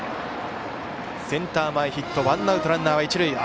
センター前ヒットワンアウトランナー、一塁。